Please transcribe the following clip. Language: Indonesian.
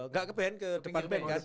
gak ke band ke depan band